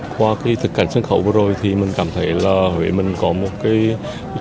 qua cái thực cảnh sân khấu vừa rồi thì mình cảm thấy là với mình có một cái